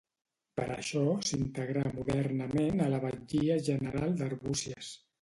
Per això s'integrà modernament a la batllia general d'Arbúcies.